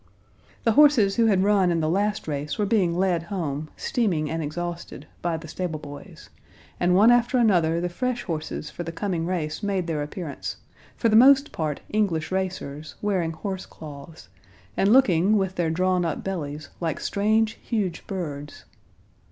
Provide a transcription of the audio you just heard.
The horses who had run in the last race were being led home, steaming and exhausted, by the stable boys, and one after another the fresh horses for the coming race made their appearance, for the most part English racers, wearing horsecloths, and looking with their drawn up bellies like strange, huge birds.